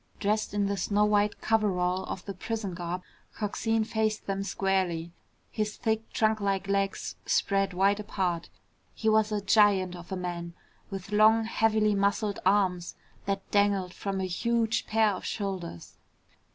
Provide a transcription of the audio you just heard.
Dressed in the snow white coverall of the prison garb, Coxine faced them squarely, his thick trunklike legs spread wide apart. He was a giant of a man with long heavily muscled arms that dangled from a huge pair of shoulders.